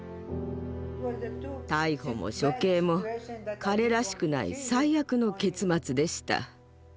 逮捕も処刑も彼らしくない最悪の結末でした。